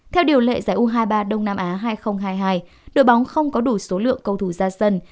theo điều lệ giải u hai mươi ba đông nam á hai nghìn hai mươi hai đội bóng không có đủ số lượng cầu thủ ra sân